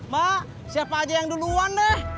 mak siapa aja yang duluan deh